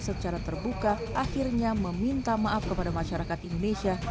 secara terbuka akhirnya meminta maaf kepada masyarakat indonesia